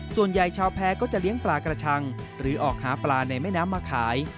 ชาวแพ้ก็จะเลี้ยงปลากระชังหรือออกหาปลาในแม่น้ำมาขาย